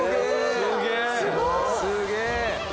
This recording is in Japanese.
すげえ。